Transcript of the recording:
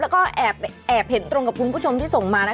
แล้วก็แอบเห็นตรงกับคุณผู้ชมที่ส่งมานะ